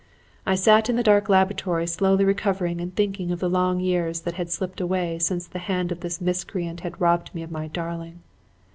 "I sat in the dark laboratory slowly recovering and thinking of the long years that had slipped away since the hand of this miscreant had robbed me of my darling.